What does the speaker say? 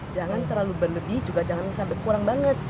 jangan terlalu berlebih juga jangan sampai kurang banget